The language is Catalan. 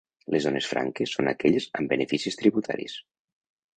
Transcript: Les zones franques són aquelles amb beneficis tributaris.